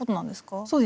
そうですね。